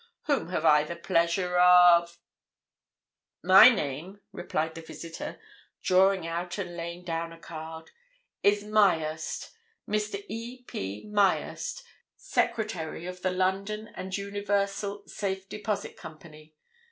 "Whom have I the pleasure of——" "My name," replied the visitor, drawing out and laying down a card, "is Myerst—Mr. E.P. Myerst, Secretary of the London and Universal Safe Deposit Company.